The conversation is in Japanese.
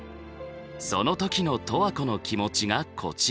その時の十和子の気持ちがこちら。